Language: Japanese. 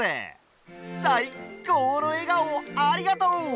さいこうのえがおをありがとう！